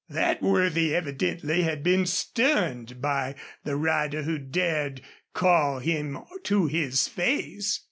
That worthy evidently had been stunned by the rider who dared call him to his face.